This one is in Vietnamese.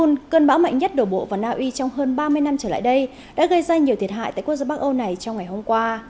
cơn bão cơn bão mạnh nhất đổ bộ vào naui trong hơn ba mươi năm trở lại đây đã gây ra nhiều thiệt hại tại quốc gia bắc âu này trong ngày hôm qua